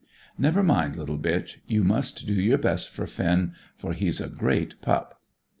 Never mind, little bitch; you must do your best for Finn; for he's a great pup."